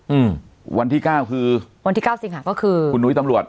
อืมวันที่เก้าคือวันที่เก้าสิงหาก็คือคุณนุ้ยตำรวจ